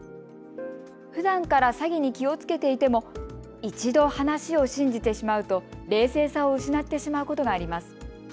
ふだんから詐欺に気をつけていても一度、話を信じてしまうと冷静さを失ってしまうことがあります。